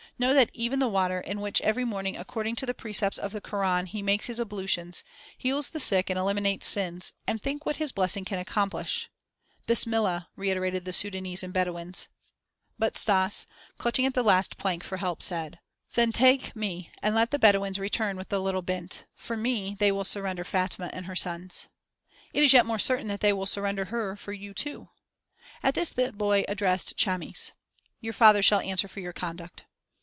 Know that even the water, in which every morning according to the precepts of the Koran he makes his ablutions, heals the sick and eliminates sins; and think what his blessing can accomplish!" "Bismillah!" reiterated the Sudânese and Bedouins. But Stas, clutching at the last plank for help, said: "Then take me and let the Bedouins return with the little 'bint' For me they will surrender Fatma and her sons." "It is yet more certain that they will surrender her for you two." At this the boy addressed Chamis: "Your father shall answer for your conduct."